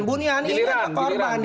bu niani ini dikorban